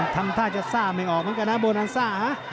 ทำท่าจะซ่าไม่ออกเหมือนกันนะโบนันซ่าฮะ